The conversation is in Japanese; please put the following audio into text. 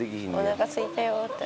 おなかすいたよって。